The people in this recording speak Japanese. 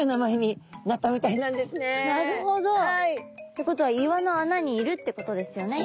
ってことは岩の穴にいるってことですよね。